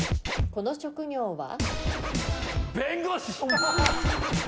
この職業は？